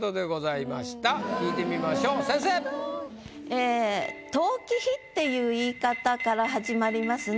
ええ「遠き日」っていう言い方から始まりますね。